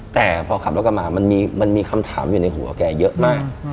แต่พอขับรถกลับมามันมีคำถามอยู่ในหัวแกเยอะมาก